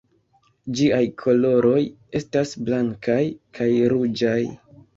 Ĝiaj koloroj estas blankaj kaj ruĝaj.